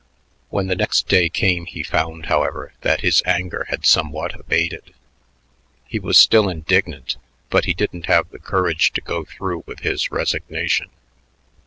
When the next day came he found, however, that his anger had somewhat abated. He was still indignant, but he didn't have the courage to go through with his resignation.